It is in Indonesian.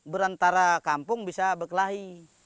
berantara kampung bisa berkelahi